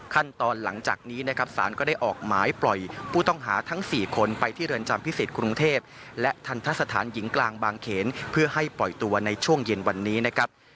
หลังจากนี้นะครับสารก็ได้ออกหมายปล่อยผู้ต้องหาทั้ง๔คนไปที่เรือนจำพิเศษกรุงเทพและทันทะสถานหญิงกลางบางเขนเพื่อให้ปล่อยตัวในช่วงเย็นวันนี้นะครับ